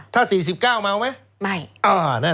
ถ้า๔๙เมาไหมไม่